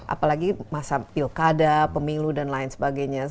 apalagi masa pilkada pemilu dan lain sebagainya